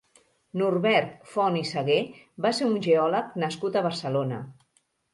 Norbert Font i Sagué va ser un geòleg nascut a Barcelona.